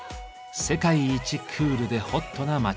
世界一クールでホットな街。